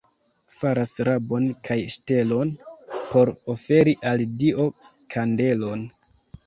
Faras rabon kaj ŝtelon, por oferi al Dio kandelon.